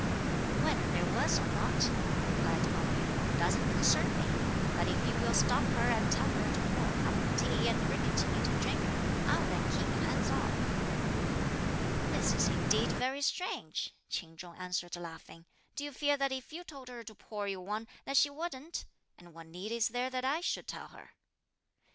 "Whether there was or not," replied Pao yü, "doesn't concern me; but if you will stop her and tell her to pour a cup of tea and bring it to me to drink, I'll then keep hands off." "This is indeed very strange!" Ch'in Chung answered laughing; "do you fear that if you told her to pour you one, that she wouldn't; and what need is there that I should tell her?"